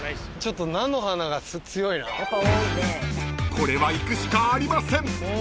［これは行くしかありません］